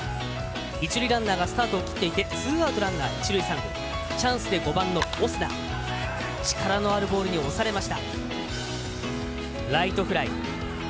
一塁ランナー、スタートを切っていてツーアウトランナー一塁三塁チャンスでバッターオスナ力のあるボールに押されてしまいましたライトフライでした。